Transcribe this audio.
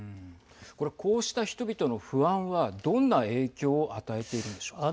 これ、こうした人々の不安はどんな影響を与えているんでしょうか。